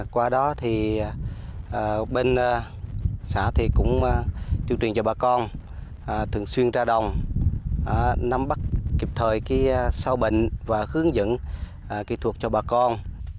qua đó thì bên xã thì cũng tuyên truyền cho bà con thường xuyên ra đồng nắm bắt kịp thời sâu bệnh và hướng dẫn kỹ thuật cho bà con